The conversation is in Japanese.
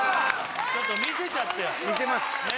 ちょっと見せちゃってよ見せます